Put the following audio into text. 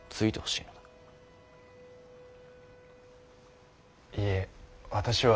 いいえ私は。